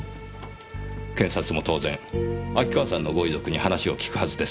検察も当然秋川さんのご遺族に話を聞くはずです。